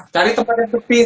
cari tempat yang sepi